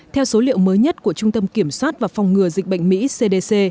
theo số liệu mới nhất của trung tâm kiểm soát và phòng ngừa dịch bệnh mỹ cdc